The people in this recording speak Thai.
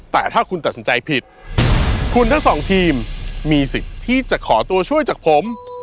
แต่ถ้าคุณตัดสินใจผิดคุณทั้งสองทีมมีสิทธิ์ที่จะขอตัวช่วยจากผม